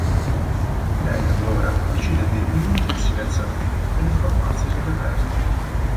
Lei allora, decide di dirigersi verso Atene per informarsi sul reperto.